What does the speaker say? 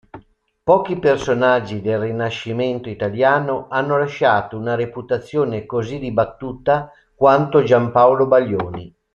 Pochi personaggi del Rinascimento italiano hanno lasciato una reputazione così dibattuta quanto Giampaolo Baglioni.